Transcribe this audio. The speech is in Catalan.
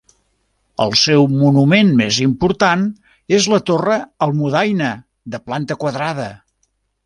El seu monument més important és la Torre Almudaina, de planta quadrada.